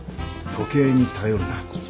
時計に頼るな。